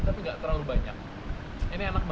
tapi enggak terlalu banyak